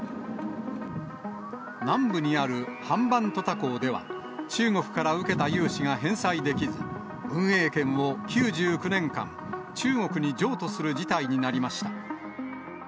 南部にあるハンバントタ港では、中国から受けた融資が返済できず、運営権を９９年間、中国に譲渡する事態になりました。